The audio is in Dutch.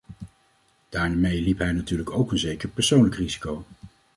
Daarmee liep hij natuurlijk ook een zeker persoonlijk risico.